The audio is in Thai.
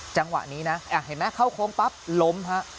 จังหวะนี้นะเห็นไหมเข้าโค้งปั๊บล้มฮะ